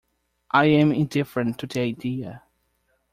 I am indifferent to the idea.